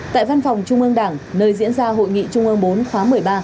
tại văn phòng trung ương đảng nơi diễn ra hội nghị trung ương bốn khóa một mươi ba